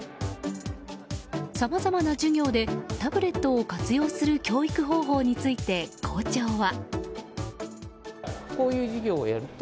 さまざまな授業でタブレットを活用する教育方法について、校長は。